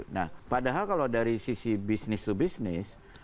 nah padahal kalau dari sisi bisnis to bisnis